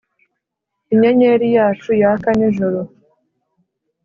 inyenyeri yacu yaka nijoro